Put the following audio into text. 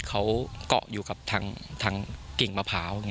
เขาเกาะอยู่กับทางกิ่งมะพร้าว